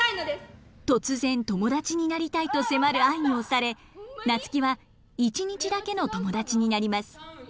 突然友達になりたいと迫る愛に押され夏樹は一日だけの友達になります。